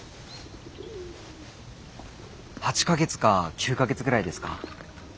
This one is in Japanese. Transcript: ８か月か９か月くらいですか？